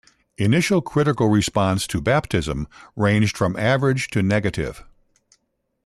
Initial critical response to "Baptism" ranged from average to negative.